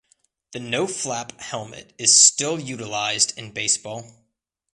The no-flap helmet is still utilized in baseball.